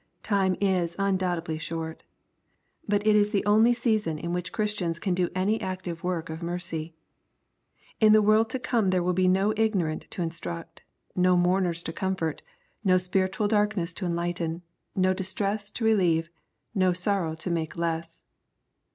Time is undoubtedly short. But it is the only season in which Christians can do any active work of mercy. In the world to come there will be no ignorant to instruct, no mourners to comfort, no spiritual darkness to enlighten, no distress to relieve, no sorrow to make less.